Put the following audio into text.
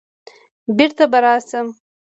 بېرته به راشم